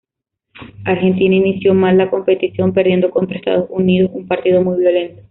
Argentina inició mal la competición perdiendo contra Estados Unidos en un partido muy violento.